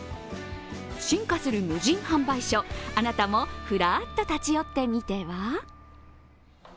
進化する無人販売所、あなたもふらっと立ち寄ってみては？